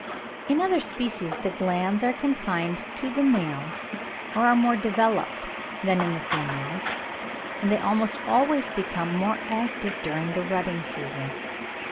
In other species the glands are confined to the males, or are more developed than in the females; and they almost always become more active during the rutting season.